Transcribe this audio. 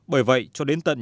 bởi vậy cho đến tận